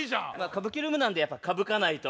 歌舞伎ルームなんでやっぱかぶかないと。